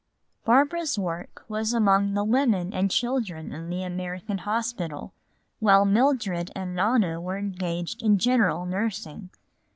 Barbara's work was among the women and children in the American hospital, while Mildred and Nona were engaged in general nursing.